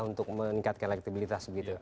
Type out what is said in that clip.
untuk meningkatkan elektibilitas begitu